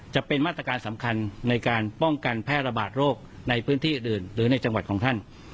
จะเป็นมาตรการสำคัญในการป้องกันแพร่ระบาดโรคในพื้นที่อื่นหรือในจังหวัดของท่าน